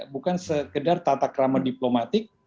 bukan sekedar tatakrama diplomatik